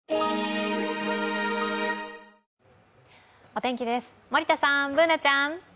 お天気です、森田さんＢｏｏｎａちゃん。